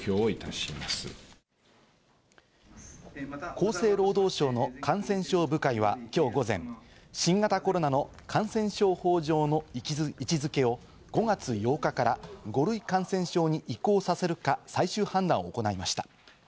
厚生労働省の感染症部会はきょう午前、新型コロナの感染症法上の位置付けを５月８日から５類感染症に移行させるか最終判断を行いました。